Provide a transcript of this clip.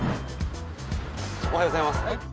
おはようございます。